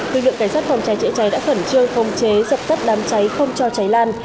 lực lượng cảnh sát phòng cháy chữa cháy đã khẩn trương không chế dập tắt đám cháy không cho cháy lan